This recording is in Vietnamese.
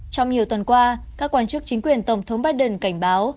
trong nhiều tuần qua các quan chức chính quyền tổng thống biden cảnh báo